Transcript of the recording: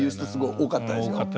多かったです。